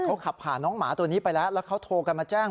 เขาขับผ่านน้องหมาตัวนี้ไปแล้วแล้วเขาโทรกันมาแจ้ง